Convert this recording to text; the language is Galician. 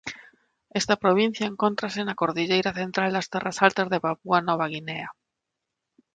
Esta provincia encóntrase na cordilleira central das Terras Altas de Papúa Nova Guinea.